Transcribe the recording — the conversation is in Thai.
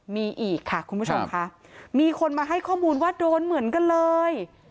มีอีกค่ะคุณผู้ชมค่ะมีคนมาให้ข้อมูลว่าโดนเหมือนกันเลย